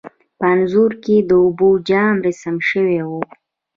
په انځور کې د اوبو جام رسم شوی و.